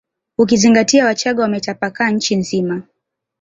Ukizingatia wachaga wametapakaa nchi nzima